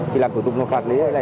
chỉ làm thủ tục phạt lý